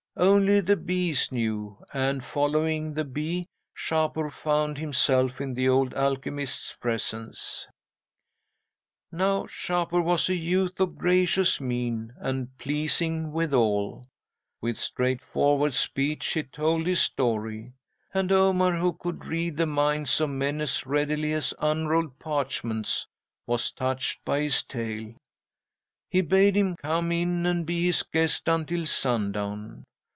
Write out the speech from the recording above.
Only the bees knew, and, following the bee, Shapur found himself in the old alchemist's presence. "'Now Shapur was a youth of gracious mien, and pleasing withal. With straightforward speech, he told his story, and Omar, who could read the minds of men as readily as unrolled parchments, was touched by his tale. He bade him come in and be his guest until sundown.